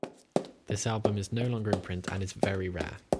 This album is no longer in print and is very rare.